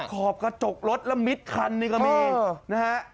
ขอบกระจกรถแล้วมิดคันนี่ก็มีนะฮะ